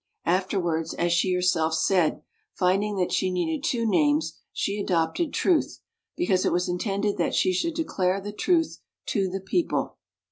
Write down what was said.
Afterwards, as she herself said, finding that she needed two names she adopted Truth, because it was intended that she should declare the truth to the people.